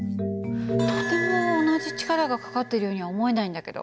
とても同じ力がかかっているようには思えないんだけど。